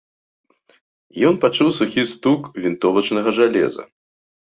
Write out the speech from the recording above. Ён пачуў сухі стук вінтовачнага жалеза.